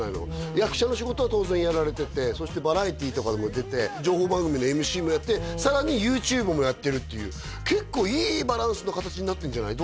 役者の仕事は当然やられててそしてバラエティとかにも出て情報番組のＭＣもやってさらにＹｏｕＴｕｂｅもやってるっていう結構いいバランスの形になってるんじゃない？